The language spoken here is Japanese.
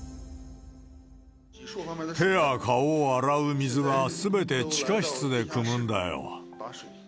手や顔を洗う水は、すべて地下室でくむんだよ。